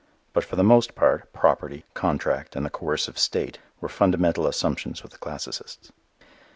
But for the most part property, contract and the coercive state were fundamental assumptions with the classicists.